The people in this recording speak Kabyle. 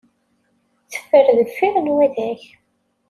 Teffer deffir n waddag.